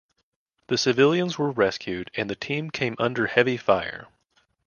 The civilians were rescued and the team came under heavy fire.